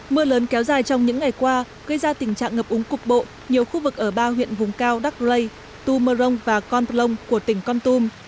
mưa lớn kéo dài trong những ngày qua gây ra tình trạng ngập úng cục bộ nhiều khu vực ở ba huyện vùng cao đắk lê tu mơ rông và con tum lông của tỉnh con tum